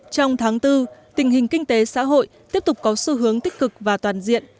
trong tháng bốn tình hình kinh tế xã hội tiếp tục có xu hướng tích cực và toàn diện